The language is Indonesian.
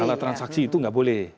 alat transaksi itu nggak boleh